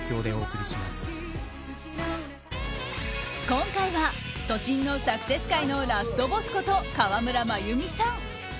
今回は都心のサクセス界のラストボスこと河村真弓さん。